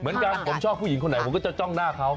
เหมือนกันผมชอบผู้หญิงคนไหนผมก็จะจ้องหน้าเขา